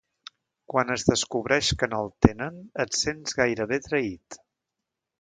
Quan es descobreix que no el tenen, et sents gairebé traït.